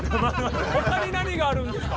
ほかに何があるんですか？